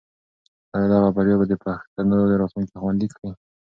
آیا دغه بریا به د پښتنو راتلونکی خوندي کړي؟